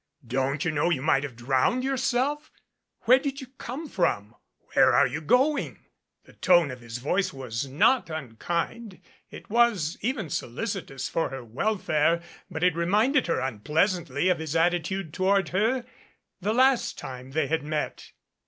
"Don't you know you might have drowned your self? Where did you come from? Where are you going?" The tone of his voice was not unkind it was even solici 32 bfl c 5 cs o" I 12 rt t/3 B rt a o o o MAROONED tous for her welfare, but it reminded her unpleasantly of his attitude toward her the last time they had met.